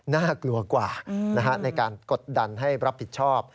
น่ากลัวกว่าในการกดดันให้รับผิดชอบ